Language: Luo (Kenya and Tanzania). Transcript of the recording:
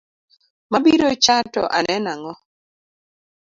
Mabirocha to aneno ang’o?